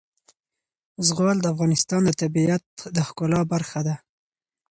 زغال د افغانستان د طبیعت د ښکلا برخه ده.